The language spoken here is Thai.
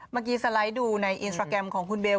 สไลด์ดูในอินสตราแกรมของคุณเบล